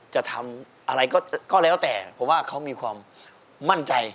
จะทำอะไรก็แล้วแต่ผมว่าเขามีความมั่นใจ